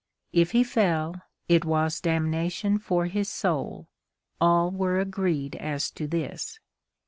If he fell, it was damnation for his soul—all were agreed as to this.